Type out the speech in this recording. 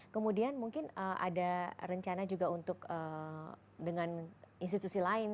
kemudian mungkin ada rencana juga untuk dengan institusi lain